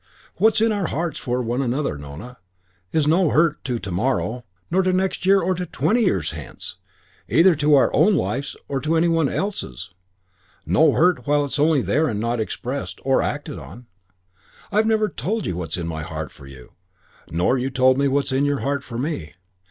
What's in our hearts for one another, Nona, is no hurt to to morrow or to next year or to twenty years hence, either to our own lives or to any one else's no hurt while it's only there and not expressed, or acted on. I've never told you what's in my heart for you, nor you told me what's in your heart for me.